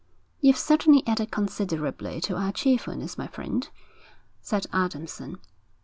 'You've certainly added considerably to our cheerfulness, my friend,' said Adamson.